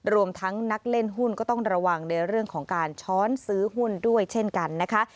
รวมทั้งนักเล่นหุ้นก็ต้องระวังในเรื่องของการช้อนซื้อหุ้นด้วยเช่นกันนะคะ